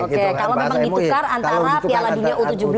kalau ditukar antara piala dunia u tujuh belas